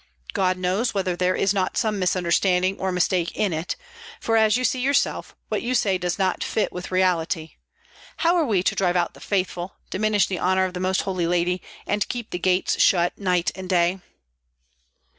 God knows whether there is not some misunderstanding or mistake in it, for, as you see yourself, what you say does not fit with reality. How are we to drive out the faithful, diminish the honor of the Most Holy Lady, and keep the gates shut night and day?"